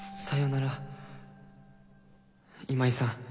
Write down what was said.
さよなら今井さん。